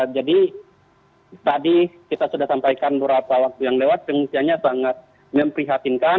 jadi tadi kita sudah sampaikan beberapa waktu yang lewat pengungsiannya sangat memprihatinkan